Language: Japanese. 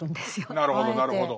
なるほどなるほど。